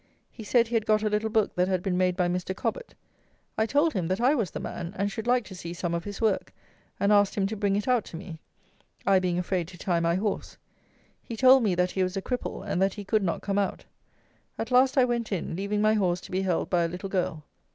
He said he had got a little book that had been made by Mr. Cobbett. I told him that I was the man, and should like to see some of his work; and asked him to bring it out to me, I being afraid to tie my horse. He told me that he was a cripple, and that he could not come out. At last I went in, leaving my horse to be held by a little girl.